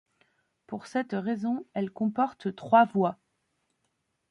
Pour cette raison, elle comporte trois voies.